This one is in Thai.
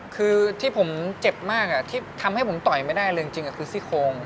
คือที่ผมเจ็บมากที่ทำให้ผมต่อยไม่ได้เลยจริงคือซี่โครง